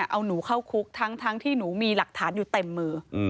เอาหนูเข้าคุกทั้งที่หนูมีหลักฐานอยู่เต็มมือ